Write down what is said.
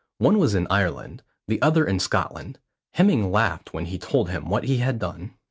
One was in Ireland, the other in Scotland. Hemming laughed when he told him what he had done.